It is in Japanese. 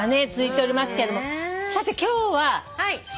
さて今日は。